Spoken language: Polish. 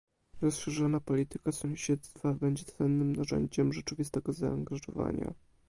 Rozszerzona polityka sąsiedztwa będzie cennym narzędziem rzeczywistego zaangażowania